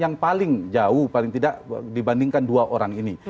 yang paling jauh paling tidak dibandingkan dua orang ini